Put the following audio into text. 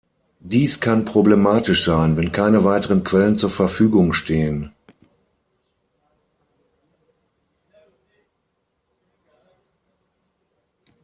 Dies kann problematisch sein, wenn keine weiteren Quellen zur Verfügung stehen.